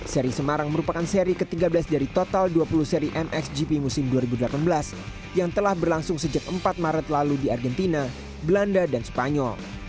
seri semarang merupakan seri ke tiga belas dari total dua puluh seri mxgp musim dua ribu delapan belas yang telah berlangsung sejak empat maret lalu di argentina belanda dan spanyol